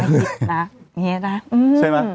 อำมะหิตนะใช่ไหม